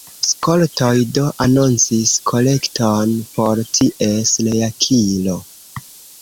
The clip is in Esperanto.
Skoltoj do anoncis kolekton por ties reakiro.